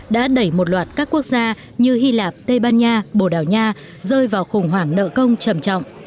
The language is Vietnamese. đã đẩy một loạt các quốc gia như hy lạp tây ban nha bồ đào nha rơi vào khủng hoảng nợ công trầm trọng